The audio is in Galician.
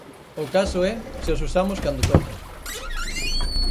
"O caso é se os usamos cando toca".